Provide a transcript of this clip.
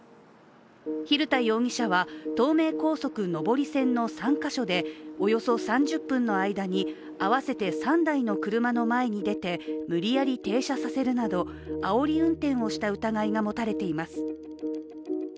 蛭田容疑者は東名高速上り線の３か所でおよそ３０分の間に合わせて３台の車の前に出て無理やり停車させるなど、あおり運転をした疑いが持たれています。